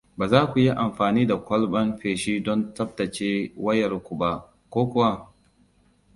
Ba za ku yi amfani da kwalban feshi don tsabtace wayarku ba, ko kuwa?